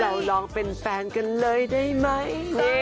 เราลองเป็นแฟนกันเลยได้ไหม